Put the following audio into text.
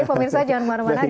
komentar jangan kemana mana